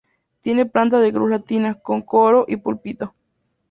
Tiene planta de cruz latina, con coro y púlpito.